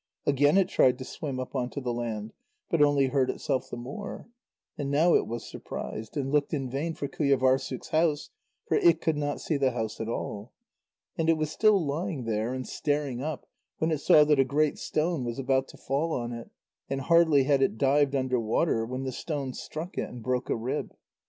Again it tried to swim up on to the land, but only hurt itself the more. And now it was surprised, and looked in vain for Qujâvârssuk's house, for it could not see the house at all. And it was still lying there and staring up, when it saw that a great stone was about to fall on it, and hardly had it dived under water when the stone struck it, and broke a rib.